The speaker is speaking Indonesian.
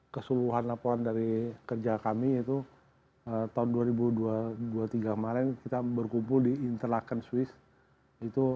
keseluruhan laporan dari kerja kami itu tahun dua ribu dua puluh dua dua puluh tiga maren kita berkumpul di interlaken swiss itu